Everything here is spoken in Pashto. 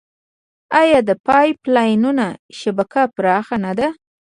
آیا د پایپ لاینونو شبکه پراخه نه ده؟